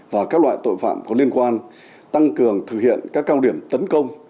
và các loại tội phạm có liên quan tăng cường thực hiện các cao điểm tấn công